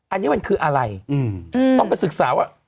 อันนี้มันคืออะไรต้องไปศึกษาว่า